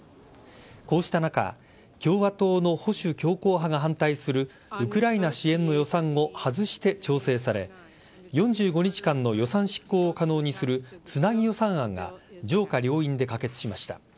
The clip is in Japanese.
こうした中共和党の保守強硬派が反対するウクライナ支援の予算を外して調整され４５日間の予算執行を可能にするつなぎ予算案が上下両院で可決しました。